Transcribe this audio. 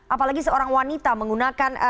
apalagi seorang wanita menggunakan